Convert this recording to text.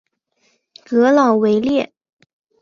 格朗维列。